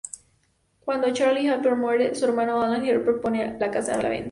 Cuando Charlie Harper muere, su hermano Alan Harper pone la casa a la venta.